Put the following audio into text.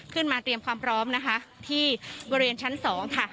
เตรียมความพร้อมนะคะที่บริเวณชั้น๒ค่ะ